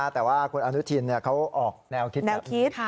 แต่ว่าคุณอนุทินเขาออกแนวคิดแนวคิด